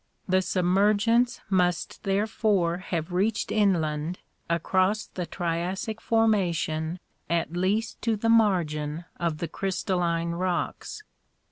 The sub mergence must therefore have reached inland across the Triassic formation at least to the margin of the crystalline rocks.